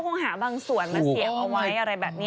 คงหาบางส่วนมาเสียบเอาไว้อะไรแบบนี้